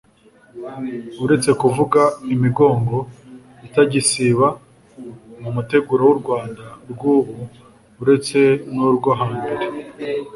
uretse kuvuga imigongo itagisiba mu muteguro w’u Rwanda rw’ubu uretse n’urwo hambere